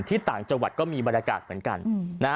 ต่างจังหวัดก็มีบรรยากาศเหมือนกันนะฮะ